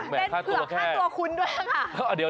เผื่อค่าตัวคุณด้วยค่ะ